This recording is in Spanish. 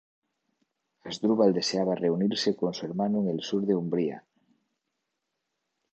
Asdrúbal deseaba reunirse con su hermano en el sur de Umbría.